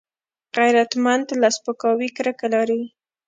غیرتمند له سپکاوي کرکه لري